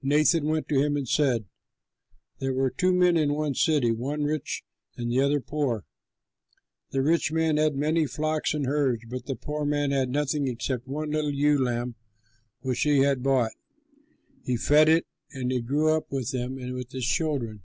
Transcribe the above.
Nathan went to him and said, "There were two men in one city, the one rich and the other poor. The rich man had many flocks and herds; but the poor man had nothing except one little ewe lamb which he had bought. He fed it, and it grew up with him and with his children.